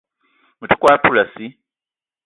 Me te kwal poulassi